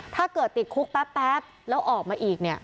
ถ้าเกิดติดคุกแป๊บแล้วออกมาอีกเนี่ย